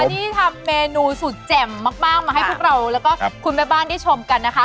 วันนี้ทำเมนูสุดแจ่มมากมาให้พวกเราแล้วก็คุณแม่บ้านได้ชมกันนะคะ